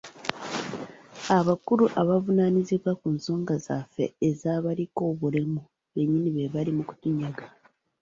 Abakulu abavunaanyizibwa ku nsonga zaffe ez'abaliko obulemu bennyini be bali mu kutunyaga